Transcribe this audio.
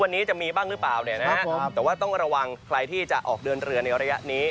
วันนี้จะมีบ้างหรือเปล่าเนี่ยนะฮะแต่ว่าต้องระวังใครที่จะออกเดินเรือในระยะนี้